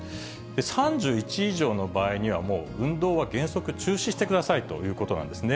３１以上の場合には、運動は原則注意してくださいということなんですね。